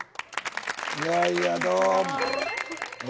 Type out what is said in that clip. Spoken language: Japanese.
いやいやどうも。